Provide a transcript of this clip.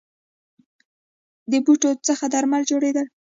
د بوټو څخه درمل جوړیدل